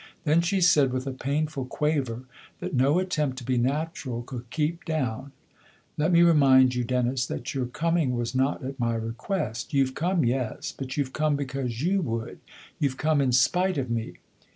Then she said with a painful quaver that no attempt to be natural could keep down :" Let me remind you THE OTHER HOUSE 71 Dennis, that your coming was not at my request. You've come yes; but you've come because you would. You've come in spite of me."